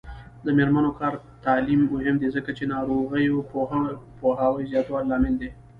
د میرمنو کار او تعلیم مهم دی ځکه چې ناروغیو پوهاوي زیاتولو لامل دی.